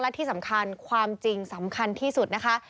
และที่สำคัญความจริงสำคัญที่สุดนะคะ